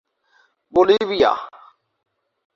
Bolivia